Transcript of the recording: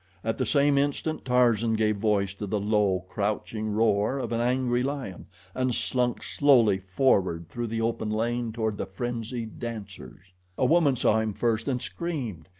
At the same instant Tarzan gave voice to the low, coughing roar of an angry lion and slunk slowly forward through the open lane toward the frenzied dancers. A woman saw him first and screamed.